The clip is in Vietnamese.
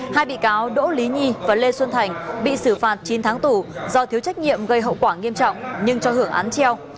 hai bị cáo đỗ lý nhi và lê xuân thành bị xử phạt chín tháng tù do thiếu trách nhiệm gây hậu quả nghiêm trọng nhưng cho hưởng án treo